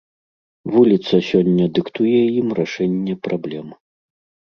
Вуліца сёння дыктуе ім рашэнне праблем.